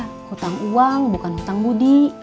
hutang uang bukan hutang budi